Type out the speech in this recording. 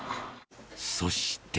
そして。